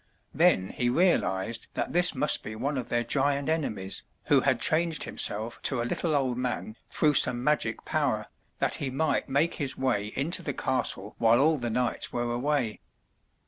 Then he realized that this must be one of their giant enemies, who had changed him self to a little old man through some magic power, that he might make his way into the castle while all the knights were away.